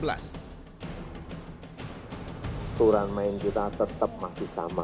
aturan main kita tetap masih sama